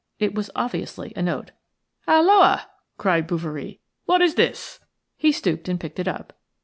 It was obviously a note. "Halloa!" cried Bouverie, "What is this?" He stooped and picked it up.